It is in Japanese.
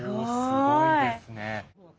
すごいですね。